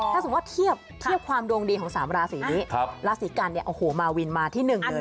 ถ้าสมมุติเทียบความดวงดีของ๓ราศีนี้ราศีกันเนี่ยโอ้โหมาวินมาที่หนึ่งเลย